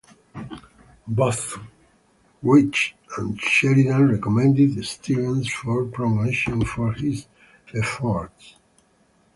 Both Wright and Sheridan recommended Stevens for promotion for his efforts.